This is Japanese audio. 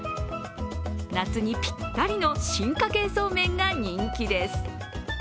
夏にぴったりの進化系そうめんが人気です。